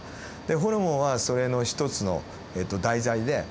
ホルモンはそれの一つの題材で。